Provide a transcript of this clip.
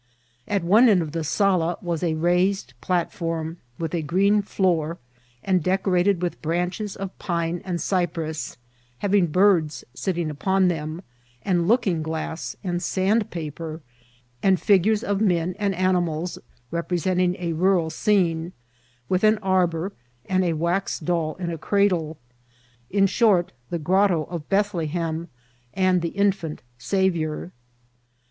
At one and of the sala was a raised platform, with a green floor, and decorated with branch* es of pine and cypress, having birds mtting upon them, and looking glass, and sandpaper, and figures of men and animals, representing a rural scene, with an arbour, and a wax doll in a cradle ; in short, the grotto of Beth« lehem and the infant Saviour.